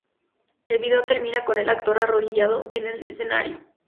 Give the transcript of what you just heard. El vídeo termina con el actor arrodillado en el escenario.